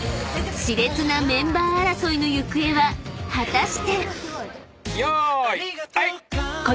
［熾烈なメンバー争いの行方は果たして⁉］